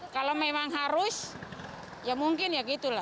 kalau memang harus ya mungkin ya gitu lah